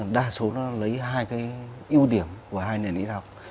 đa số nó lấy hai cái ưu điểm của hai nền y học